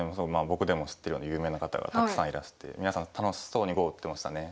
僕でも知ってるような有名な方がたくさんいらしてみなさん楽しそうに碁を打ってましたね。